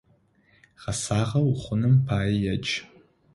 Гъэсагъэ ухъуным пае едж!